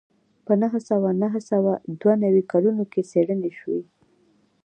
په نهه سوه نهه سوه دوه نوي کلونو کې څېړنې شوې